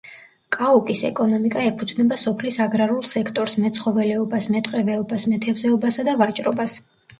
კაუკის ეკონომიკა ეფუძნება სოფლის აგრარულ სექტორს, მეცხოველეობას, მეტყევეობას, მეთევზეობასა და ვაჭრობას.